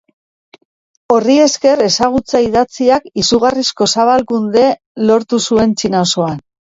Horri esker ezagutza idatziak izugarrizko zabalkunde lortu zuen Txina osoan.